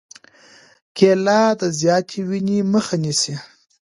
کېله د زیاتې وینې مخه نیسي.